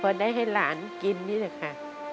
พอได้ให้หลานกินนี่แหละค่ะ